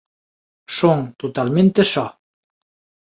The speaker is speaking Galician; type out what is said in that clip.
Son totalmente só.